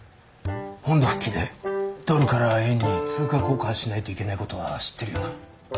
本土復帰でドルから円に通貨交換しないといけないことは知ってるよな。